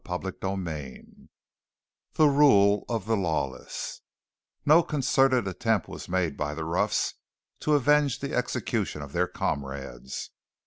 CHAPTER XXXVI THE RULE OF THE LAWLESS No concerted attempt was made by the roughs to avenge the execution of their comrades.